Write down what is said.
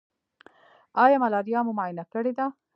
ایا ملاریا مو معاینه کړې ده؟